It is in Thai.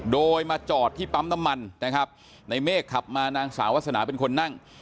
โดยมาจอดที่ปั๊มน้ำมันนะครับในเมฆขับมานางสาววาสนาเป็นคนนั่ง